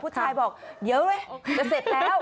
ผู้ชายบอกเดี๋ยวเว้ยจะเสร็จแล้ว